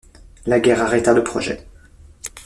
La guerre arrêta le projet.